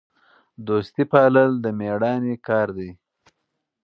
دوستي پالل د میړانې کار دی.